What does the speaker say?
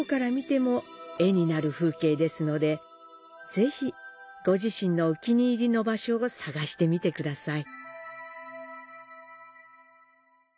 ぜひ、ご自身のお気に入りの場所を探してみてください。